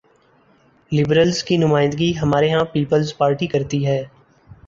Liberals کی نمائندگی ہمارے ہاں پیپلز پارٹی کرتی ہے۔